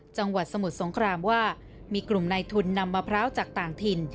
จังหวัดสมุทรสงครามว่ามีกลุ่มในทุนนำมะพร้าวจากต่างถิ่น